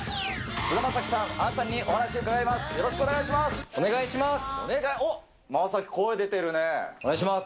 菅田将暉さん、杏さんにお話を伺います。